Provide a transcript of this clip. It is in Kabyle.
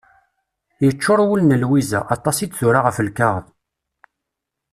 Yeččur wul n Lwiza, aṭas i d-tura ɣef lkaɣeḍ.